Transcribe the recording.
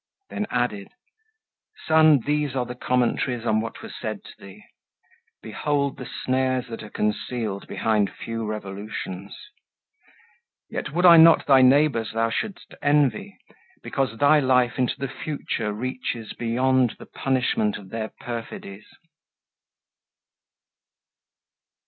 Then added: "Son, these are the commentaries On what was said to thee; behold the snares That are concealed behind few revolutions; Yet would I not thy neighbours thou shouldst envy, Because thy life into the future reaches Beyond the punishment of their perfidies."